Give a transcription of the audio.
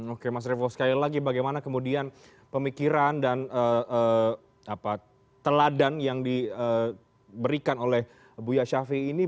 oke mas revo sekali lagi bagaimana kemudian pemikiran dan teladan yang diberikan oleh buya ⁇ shafii ⁇ ini